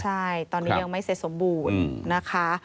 ใช่ตอนนี้ยังไม่เสร็จสมบูรณ์นะคะ